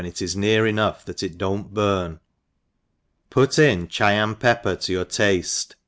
it is near enough that it don't burn; put in Chyan pepper to your tafte